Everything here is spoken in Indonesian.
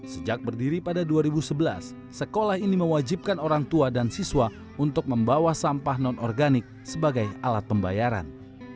sejak berdiri pada dua ribu sebelas sekolah ini mewajibkan orang tua dan siswa untuk membawa sampah non organik sebagai alat pembayaran